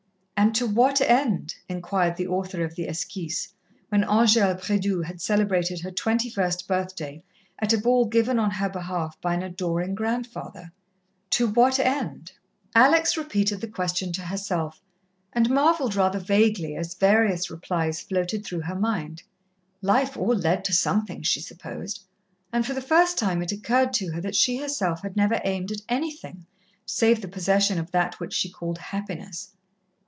"And to what end," inquired the author of the esquisse, when Angèle Prédoux had celebrated her twenty first birthday at a ball given on her behalf by an adoring grandfather "to what end?" Alex repeated the question to herself, and marvelled rather vaguely as various replies floated through her mind. Life all led to something, she supposed, and for the first time it occurred to her that she herself had never aimed at anything save the possession of that which she called happiness.